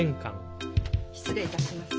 失礼いたします。